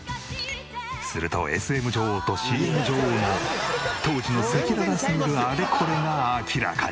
するとＳＭ女王とＣＭ女王の当時の赤裸々すぎるあれこれが明らかに！